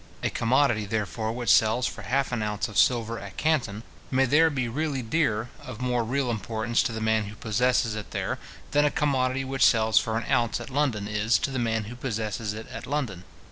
A commodity, therefore, which sells for half an ounce of silver at Canton, may there be really dearer, of more real importance to the man who possesses it there, than a commodity which sells for an ounce at London is to the man who possesses it at London.